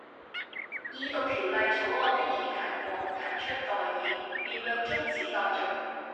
二讀條例草案的議題獲提出待議，辯論中止待續